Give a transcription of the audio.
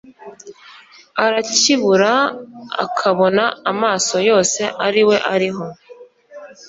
arakibura akabona amaso yose ariwe ariho